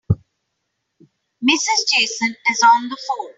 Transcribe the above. Mrs. Jason is on the phone.